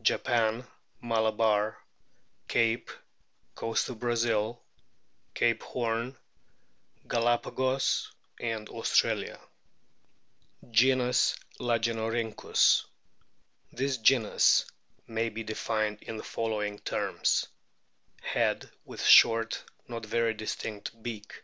Japan, Malabar, Cape, Coast of Brazil, Cape Horn, Galapagos, Australia. Genus LAGENORHYNCHUS. This genus may be defined in the following terms : Head with short, not very distinct, beak.